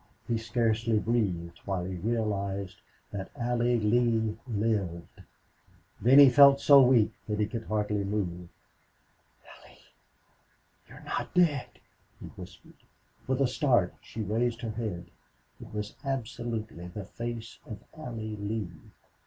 He scarcely breathed while he realized that Allie Lee lived. Then he felt so weak that he could hardly move. "Allie you're not dead?" he whispered. With a start she raised her head. It was absolutely the face of Allie Lee.